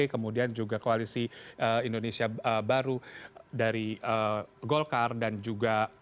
kemudian juga koalisi indonesia baru dari golkar dan juga